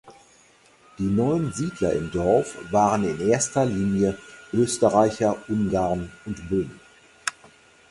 Die neuen Siedler im Dorf waren in erster Linie Österreicher, Ungarn und Böhmen.